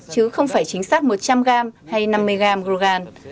chứ không phải chính xác một trăm linh gram hay năm mươi gram rogan